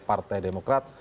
pp partai demokrat